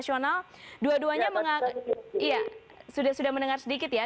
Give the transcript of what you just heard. sudah mendengar sedikit ya